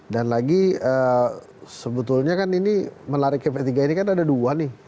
dan lagi sebetulnya kan ini menariknya p tiga ini kan ada dua nih